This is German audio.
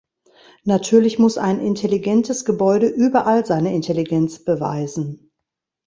Natürlich muss ein intelligentes Gebäude überall seine Intelligenz beweisen.